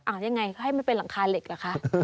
ยังไงให้มันเป็นหลังคาเหล็กเหรอคะ